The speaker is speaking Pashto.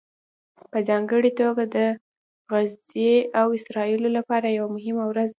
په ځانګړې توګه د غزې او اسرائیلو لپاره یوه مهمه ورځ ده